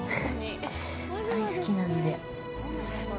大好きなんで。